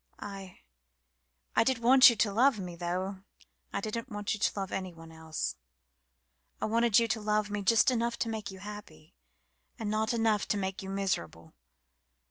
I I did want you to love me, though; I didn't want you to love anyone else. I wanted you to love me just enough to make you happy, and not enough to make you miserable.